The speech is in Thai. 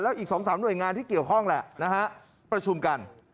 และอีกสองสามหน่วยงานที่เกี่ยวข้องประชุมกัน